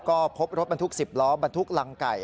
ก็พบรถบรรทุก๑๐ล้อบรรทุกรังไก่